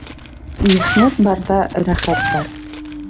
Михнәт барҙа рәхәт бар